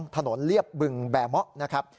ถนนเรียบบึงแบเมาะนะครับ